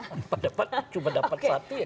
atau dapat cuma dapat satu ya